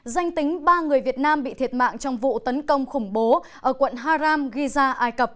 danh tính ba người việt nam bị thiệt mạng trong vụ tấn công khủng bố ở quận haram giza ai cập